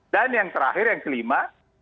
dan yang terakhir yang kelima